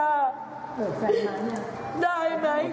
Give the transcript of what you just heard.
ได้ไหมคะถ้าท่านสอจอบไม่มาให้หนู